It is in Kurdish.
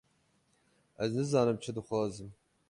Ez nizanim çi dixwazim.